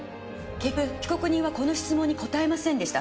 結局被告人はこの質問に答えませんでした。